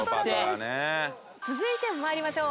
続いて参りましょう。